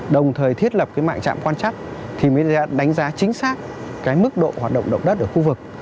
đồng thời thiết lập cái mạng trạm quan chắc thì mới đánh giá chính xác cái mức độ hoạt động động đất ở khu vực